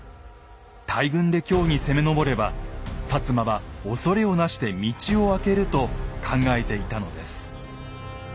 大軍で京に攻め上れば摩は恐れをなして道を空けると考えていたのです。